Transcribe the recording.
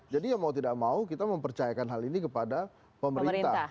jadi mau tidak mau kita mempercayakan hal ini kepada pemerintah